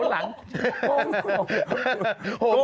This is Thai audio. โกงโคม